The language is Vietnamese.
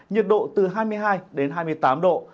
nhiệt độ từ hai mươi hai đến hai mươi tám độ